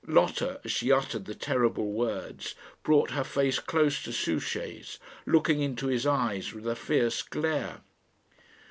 Lotta, as she uttered the terrible words, brought her face close to Souchey's, looking into his eyes with a fierce glare.